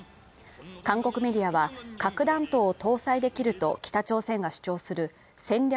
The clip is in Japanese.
韓国メディアは、核弾頭を搭載できると北朝鮮が主張する戦略